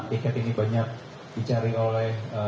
tiket ini banyak dicari oleh